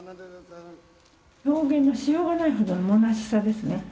表現のしようがないほどのむなしさですね。